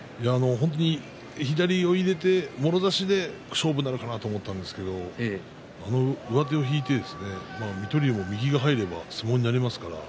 左を入れてもろ差しで勝負になるかと思ったんですけど上手を引いて水戸龍の引きが入れば相撲になりますからね。